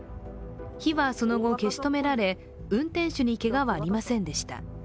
火はその後、消し止められ、運転手にけがはありませんでした。